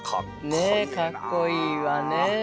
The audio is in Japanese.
ねえかっこいいわね。